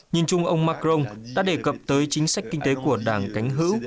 nhìn chung ông macron đã đề cập tới chính sách kinh tế của đảng cánh hữu